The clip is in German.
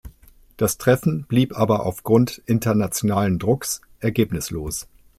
Das Treffen blieb aber auf Grund internationalen Drucks ergebnislos.